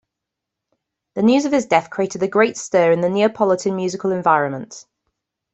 The news of his death created a great stir in the Neapolitan musical environment.